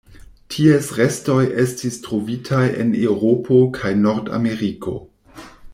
Ties restoj estis trovitaj en Eŭropo kaj Nordameriko.